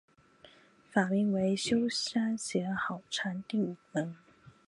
法名为休山贤好禅定门。